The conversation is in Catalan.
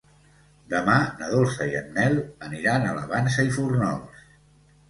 Demà na Dolça i en Nel aniran a la Vansa i Fórnols.